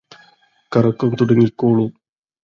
കറക്കം തുടങ്ങിക്കോളൂ